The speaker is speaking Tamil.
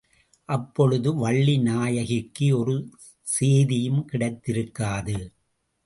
அப்பொழுது வள்ளிநாயகிக்கு ஒரு சேதியும் கிடைத்திருக்காது.